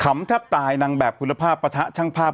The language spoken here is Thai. ขำแตปลาอยนางแบบคุณภาพประทะช้องภาพ